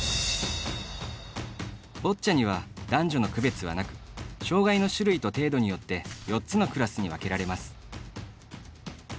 ボッチャには男女の区別はなく障がいの種類と程度によって４つのクラスに分けられます。